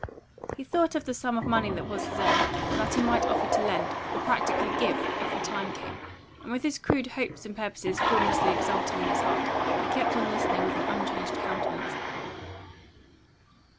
He thought of the sum of money that was his own, and that he might offer to lend, or practically give, if the time came; and with his crude hopes and purposes formlessly exulting in his heart, he kept on listening with an unchanged countenance.